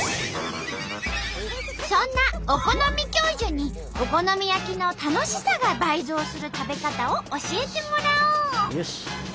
そんなお好み教授にお好み焼きの楽しさが倍増する食べ方を教えてもらおう！